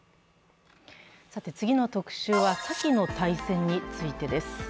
次の「特集」はさきの大戦についてです。